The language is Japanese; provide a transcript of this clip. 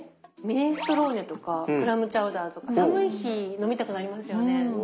ミネストローネとかクラムチャウダーとか寒い日に飲みたくなりますよね。